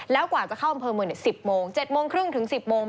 แล้วกว่าจะเข้าอำเภอเมือง๑๐โมง๗โมงครึ่งถึง๑๐โมง